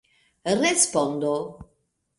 respondo